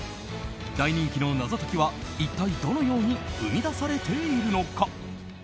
大人気の謎解きは一体どのように生み出されているのか。